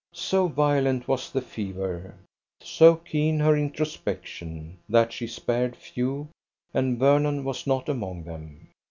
So violent was the fever, so keen her introspection, that she spared few, and Vernon was not among them.